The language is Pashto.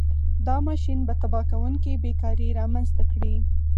دا ماشین به تباه کوونکې بېکاري رامنځته کړي.